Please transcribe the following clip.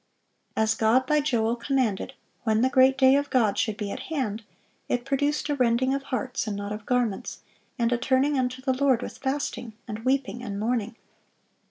As God by Joel commanded, when the great day of God should be at hand, it produced a rending of hearts and not of garments, and a turning unto the Lord with fasting, and weeping, and mourning.